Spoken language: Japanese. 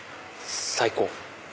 最高！